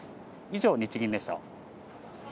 以上、日銀でした。